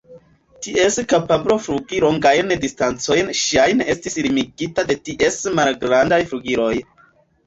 Ties kapablo flugi longajn distancojn ŝajne estis limigita de ties malgrandaj flugiloj.